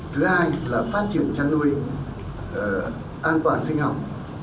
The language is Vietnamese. thứ hai là phát triển chăn nuôi an toàn sinh học